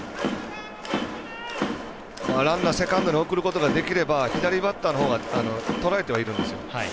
ランナー、セカンドに送ることができれば左バッターのほうがとらえてはいるんですよ。